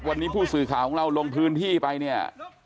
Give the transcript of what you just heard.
วันนี้ผู้สื่อข่าวของเราลงพื้นที่ไปเนี่ย